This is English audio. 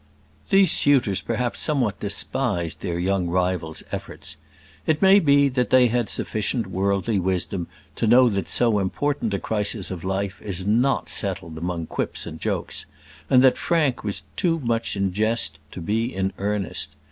These suitors perhaps somewhat despised their young rival's efforts. It may be that they had sufficient worldly wisdom to know that so important a crisis of life is not settled among quips and jokes, and that Frank was too much in jest to be in earnest.